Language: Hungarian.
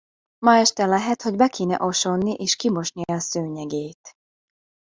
Ma este lehet, hogy be kéne osonni és kimosni a szőnyegét.